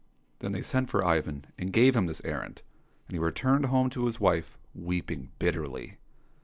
— Then they sent for Ivan, and gave him this errand, and he returned home to his wife, weeping bitterly.